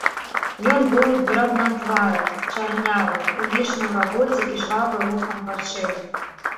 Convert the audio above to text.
Ён быў драбнатвары, чарнявы, увішны ў рабоце і жвавы рухам вачэй.